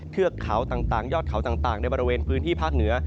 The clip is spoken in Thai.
เทือกเขาต่างยอดเขาต่างในบริเวณพื้นที่ภาคเหนือ